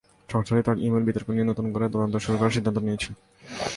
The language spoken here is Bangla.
সংস্থাটি তাঁর ই-মেইল বিতর্ক নিয়ে নতুন করে তদন্ত শুরুর সিদ্ধান্ত নিয়েছে।